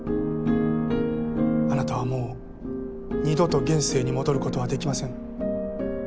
あなたはもう二度と現世に戻ることは出来ません。